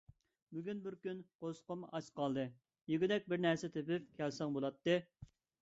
بۈگۈن بىر كۈن قورسىقىم ئاچ قالدى، يېگۈدەك بىرنەرسە تېپىپ كەلسەڭ بولاتتى.